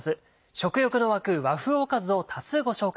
食欲の湧く和風おかずを多数ご紹介。